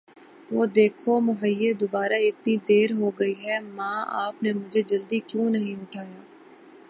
وه دیکھو. مجهے دوباره اتنی دیر ہو گئی ہے! ماں، آپ نے مجھے جلدی کیوں نہیں اٹھایا!